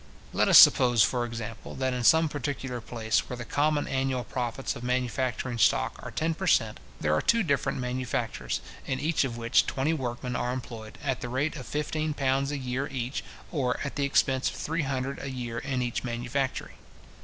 Let us suppose, for example, that in some particular place, where the common annual profits of manufacturing stock are ten per cent. there are two different manufactures, in each of which twenty workmen are employed, at the rate of fifteen pounds a year each, or at the expense of three hundred a year in each manufactory.